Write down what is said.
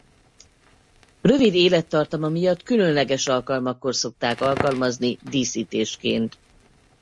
Rövid élettartama miatt különleges alkalmakkor szokták alkalmazni díszítésként.